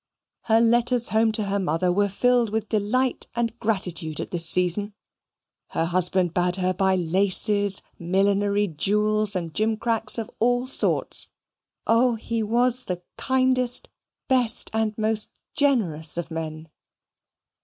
Her letters home to her mother were filled with delight and gratitude at this season. Her husband bade her buy laces, millinery, jewels, and gimcracks of all sorts. Oh, he was the kindest, best, and most generous of men!